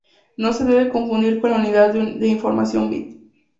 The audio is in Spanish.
No se debe confundir con la unidad de información bit.